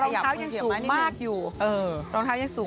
แต่รองเท้ายังสูงมากอยู่